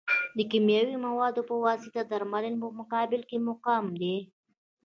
د کیمیاوي موادو په واسطه د درملنې په مقابل کې مقاوم دي.